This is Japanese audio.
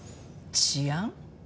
治安？